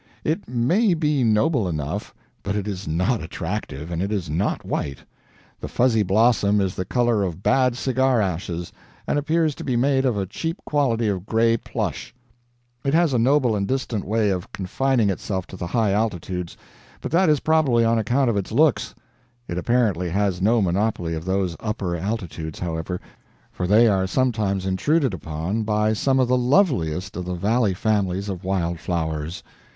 It may be noble enough, but it is not attractive, and it is not white. The fuzzy blossom is the color of bad cigar ashes, and appears to be made of a cheap quality of gray plush. It has a noble and distant way of confining itself to the high altitudes, but that is probably on account of its looks; it apparently has no monopoly of those upper altitudes, however, for they are sometimes intruded upon by some of the loveliest of the valley families of wild flowers.